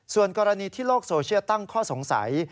ส่วนกรณีที่โลกโซเชียลตั้งข้อสงสัย